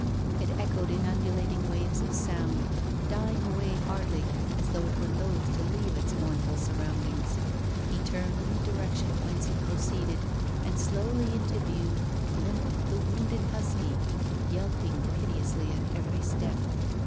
It echoed in undulating waves of sound, dying away hardly, as though it were loth to leave its mournful surroundings. He turned in the direction whence it proceeded, and slowly into view limped the wounded husky, yelping piteously at every step.